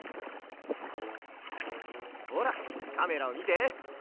ほらカメラをみて。